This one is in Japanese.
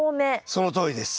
そのとおりです。